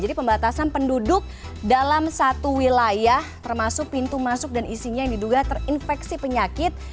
jadi pembatasan penduduk dalam satu wilayah termasuk pintu masuk dan isinya yang diduga terinfeksi penyakit